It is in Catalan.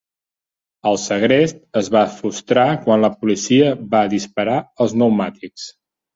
El segrest es va frustrar quan la policia va disparar als pneumàtics.